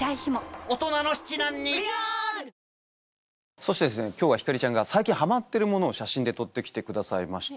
そして今日は星ちゃんが最近ハマってるものを写真で撮って来てくださいました。